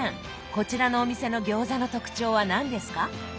こちらのお店の餃子の特徴は何ですか？